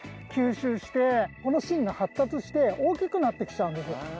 吸収してこの芯が発達して大きくなってきちゃうんです。